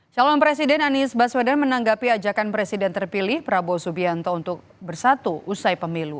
calon presiden anies baswedan menanggapi ajakan presiden terpilih prabowo subianto untuk bersatu usai pemilu